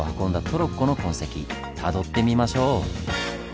トロッコの痕跡たどってみましょう！